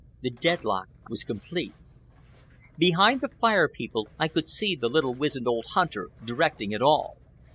The deadlock was complete. Behind the Fire People I could see the little wizened old hunter directing it all.